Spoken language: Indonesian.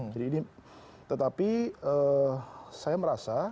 jadi ini tetapi saya merasa